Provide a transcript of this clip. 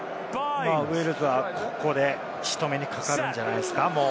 ウェールズはここで仕留めにかかるんじゃないですか、もう。